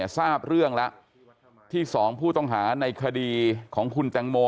ทราบเรื่องแล้วที่๒ผู้ต้องหาในคดีของคุณแตงโม